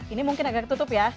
ini mungkin agak ketutup ya